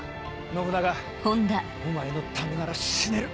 信長お前のためなら死ねる。